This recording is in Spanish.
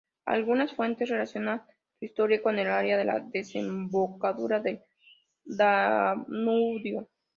Algunas fuentes relacionan su historia con el área de la desembocadura del Danubio.